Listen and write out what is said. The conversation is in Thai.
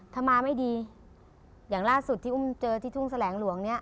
ถ้ามาไม่ดีอย่างล่าสุดที่อุ้มเจอที่ทุ่งแสลงหลวงเนี่ย